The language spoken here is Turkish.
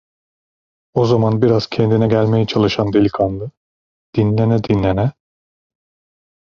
O zaman biraz kendine gelmeye çalışan delikanlı, dinlene dinlene: